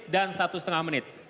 dan satu lima menit